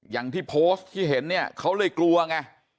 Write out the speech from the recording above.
อย่างที่โพสต์ที่เห็นเนี่ยเขาเลยกลัวไง